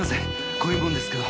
こういう者ですけど。